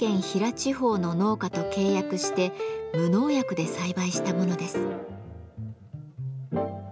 地方の農家と契約して無農薬で栽培したものです。